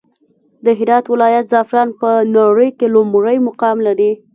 د هرات ولايت زعفران په نړى کې لومړى مقام لري.